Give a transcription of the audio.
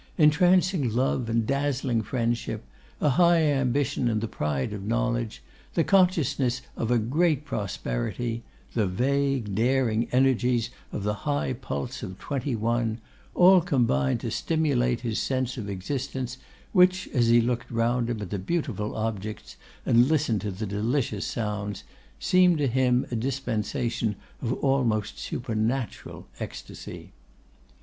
Entrancing love and dazzling friendship, a high ambition and the pride of knowledge, the consciousness of a great prosperity, the vague, daring energies of the high pulse of twenty one, all combined to stimulate his sense of existence, which, as he looked around him at the beautiful objects and listened to the delicious sounds, seemed to him a dispensation of almost supernatural ecstasy.